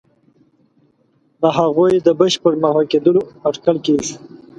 د هغوی د بشپړ محو کېدلو اټکل کېږي.